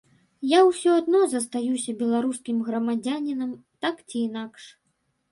Я ўсё адно застаюся беларускім грамадзянінам так ці інакш.